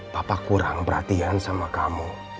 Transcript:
papa kurang perhatian sama kamu